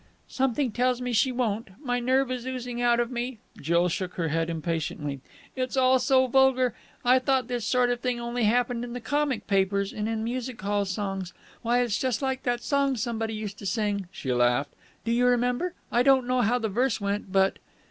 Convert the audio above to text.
"Something tells me she won't. My nerve is oozing out of me." Jill shook her head impatiently. "It's all so vulgar! I thought this sort of thing only happened in the comic papers and in music hall songs. Why, it's just like that song somebody used to sing." She laughed. "Do you remember? I don't know how the verse went, but